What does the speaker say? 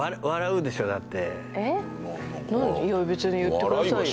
何でいや別に言ってくださいよ